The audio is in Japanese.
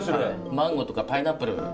マンゴーとかパイナップル。